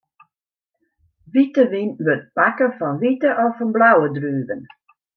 Wite wyn wurdt makke fan wite of fan blauwe druven.